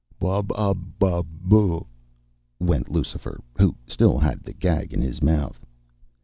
"Bub ub bub boo," went Lucifer, who still had the gag in his mouth.